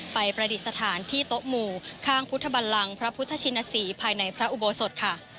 ประดิษฐานที่โต๊ะหมู่ข้างพุทธบันลังพระพุทธชินศรีภายในพระอุโบสถค่ะ